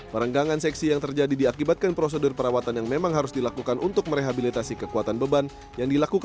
perenggangan seksi yang terjadi diantara jalan layang ini tidak memiliki kerusakan yang berarti